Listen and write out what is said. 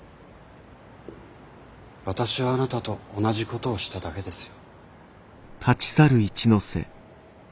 私はあなたと同じことをしただけですよ。